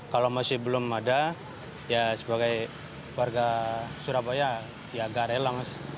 kalau masih belum ada ya sebagai warga surabaya ya agak rela mas